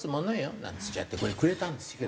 なんつっちゃってこれくれたんですけど。